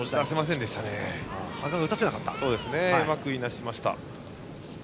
うまくいなしました。